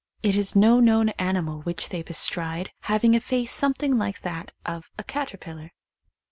It is no known animal which they bestride, having a face something like that of a caterpillar.